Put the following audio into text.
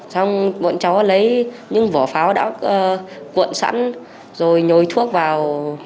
xong bọn cháu lấy những vỏ pháo đã cuộn sẵn rồi nhồi thuốc vào